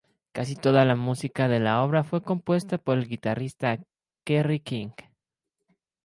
Casi toda la música de la obra fue compuesta por el guitarrista Kerry King.